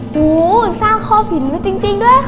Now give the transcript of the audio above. โหสร้างครอบหินมาจริงด้วยค่ะ